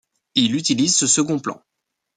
Il utilise ce second plan.